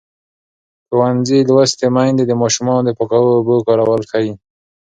ښوونځې لوستې میندې د ماشومانو د پاکو اوبو کارول ښيي.